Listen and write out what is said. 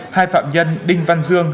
hai phạm nhân đinh văn dương